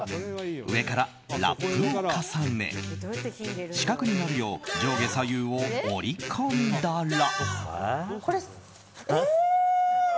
上からラップを重ね四角になるよう上下左右を折り込んだら。